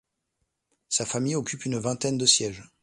Sa famille occupe une vingtaine de sièges.